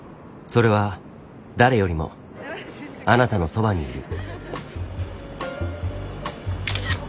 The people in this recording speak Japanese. それは誰よりもあなたのそばにいる。